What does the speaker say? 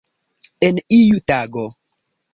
En iu tago.